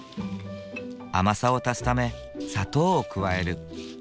甘さを足すため砂糖を加える。